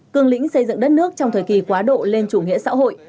cường lĩnh xây dựng đất nước trong thời kỳ quá độ lên chủ nghĩa xã hội